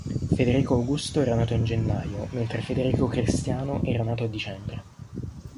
Federico Augusto era nato in gennaio, mentre Federico Cristiano era nato a dicembre.